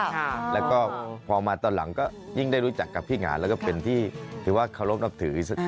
แล้วก็พอมาตอนหลังก็ยิ่งได้รู้จักกับพี่งานแล้วก็เป็นที่ถือว่าเคารพนับถือ